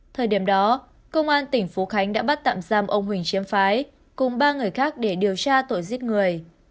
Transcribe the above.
thời điểm đó công an tỉnh phú khánh đã bắt tạm giam ông huỳnh chiêm phái cùng ba người khác để điều tra tội giết người